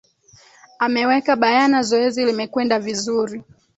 ameweka bayana zoezi limekwenda vizuri